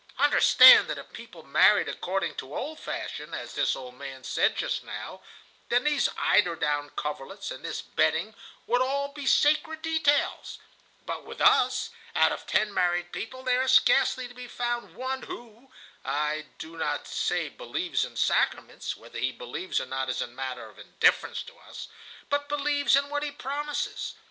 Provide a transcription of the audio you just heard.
Understand that if people married according to the old fashion, as this old man said just now, then these eiderdown coverlets and this bedding would all be sacred details; but with us, out of ten married people there is scarcely to be found one who, I do not say believes in sacraments (whether he believes or not is a matter of indifference to us), but believes in what he promises.